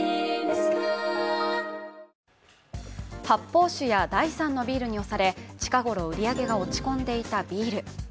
発泡酒や第３のビールに押され、近頃、売り上げが落ち込んでいたビール。